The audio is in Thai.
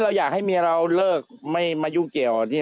เราอยากให้เมียเราเลิกไม่มายุ่งเกี่ยวแบบนี้